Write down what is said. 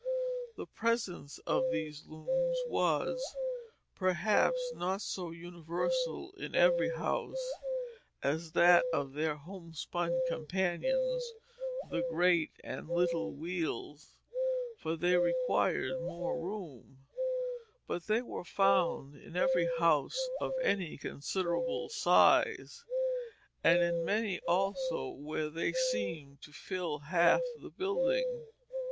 The presence of these looms was, perhaps, not so universal in every house as that of their homespun companions, the great and little wheels, for they required more room; but they were found in every house of any considerable size, and in many also where they seemed to fill half the building.